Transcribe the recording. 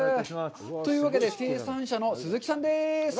というわけで、生産者の鈴木さんです。